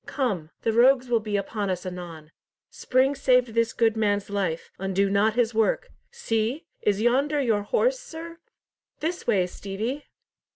Come! The rogues will be upon us anon. Spring saved this good man's life. Undo not his work. See! Is yonder your horse, sir? This way, Stevie!"